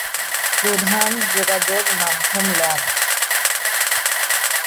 প্রধান যোগাযোগ মাধ্যম লঞ্চ।